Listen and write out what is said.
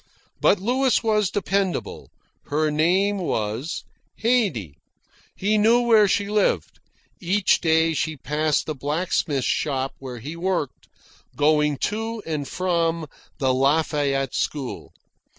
But Louis was dependable. Her name was Haydee. He knew where she lived. Each day she passed the blacksmith's shop where he worked, going to or from the Lafayette School.